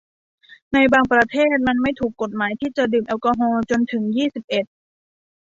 ในบางประเทศมันไม่ถูกกฎหมายที่จะดื่มแอลกอฮอล์จนถึงยี่สิบเอ็ด